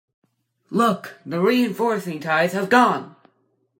Look, the reinforcing ties have gone!